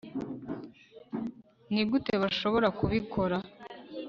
nigute bashobora kubikora